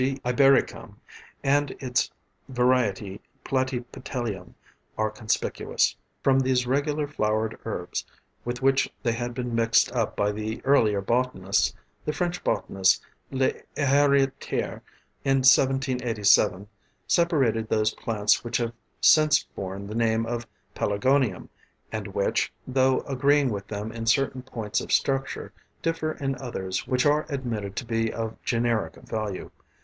ibericum_ and its variety platypetalum are conspicuous. From these regular flowered herbs, with which they had been mixed up by the earlier botanists, the French botanist L'Heritier in 1787 separated those plants which have since borne the name of Pelargonium, and which, though agreeing with them in certain points of structure, differ in others which are admitted to be of generic value.